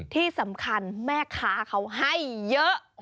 ที่สำคัญแม่ค้าเขาให้เยอะ